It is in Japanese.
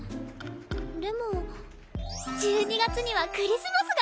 でも１２月にはクリスマスがありますから！